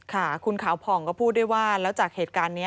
ค่ะคุณขาวผ่องก็พูดด้วยว่าแล้วจากเหตุการณ์นี้